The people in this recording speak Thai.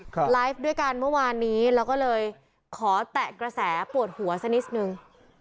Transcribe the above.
ครับด้วยกันเมื่อวานนี้เราก็เลยขอแตะกระแสปวดหัวซะนิดหนึ่ง